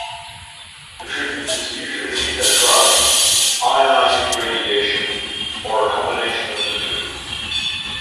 The treatment is usually a drug, ionizing radiation, or a combination of the two.